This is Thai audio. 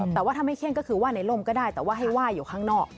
แต่ว่าถ้าไม่เขี้ยนก็คือว่าในร่มก็ได้แต่ว่าให้ไหว้อยู่ข้างนอก